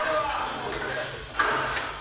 １人答えてるからね。